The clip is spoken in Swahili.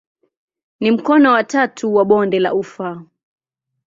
Ni mkono wa tatu wa bonde la ufa.